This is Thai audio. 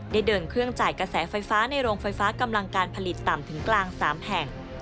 เดินเครื่องจ่ายกระแสไฟฟ้าในโรงไฟฟ้ากำลังการผลิตต่ำถึงกลาง๓แห่ง